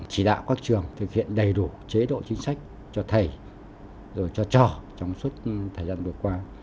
chỉ đạo các trường thực hiện đầy đủ chế độ chính sách cho thầy rồi cho trò trong suốt thời gian vừa qua